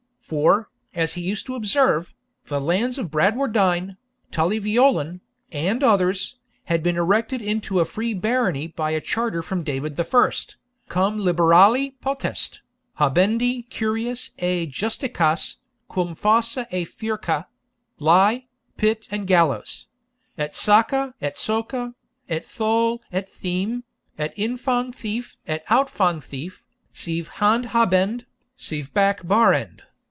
For, as he used to observe, 'the lands of Bradwardine, Tully Veolan, and others, had been erected into a free barony by a charter from David the First, cum liberali potest. habendi curias et justicias, cum fossa et furca (LIE, pit and gallows) et saka et soka, et thol et theam, et infang thief et outfang thief, sive hand habend. sive bak barand.'